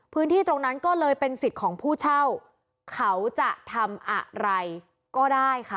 พื้นที่ตรงนั้นก็เลยเป็นสิทธิ์ของผู้เช่าเขาจะทำอะไรก็ได้ค่ะ